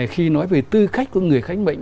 khi nói về tư cách của người khách mệnh